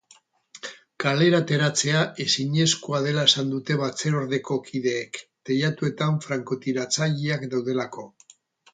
Kalera ateratzea ezinezko dela esan dute batzordeko kideek, teilatuetan frankotiratzaileak daudelako.